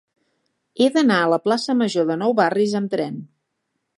He d'anar a la plaça Major de Nou Barris amb tren.